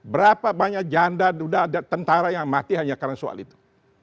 berapa banyak janda sudah ada tentara yang mati hanya karena soal itu